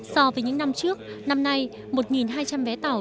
so với những năm trước năm nay một hai trăm linh vé tàu